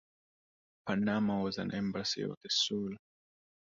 Panama has an embassy in Seoul.